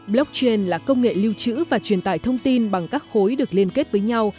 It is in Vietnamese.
blockchain là công nghệ lưu trữ và truyền tải thông tin bằng các khối được liên kết với nhau